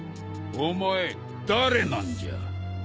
お前誰なんじゃ？